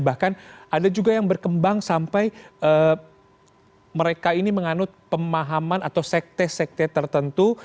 bahkan ada juga yang berkembang sampai mereka ini menganut pemahaman atau sekte sekte tertentu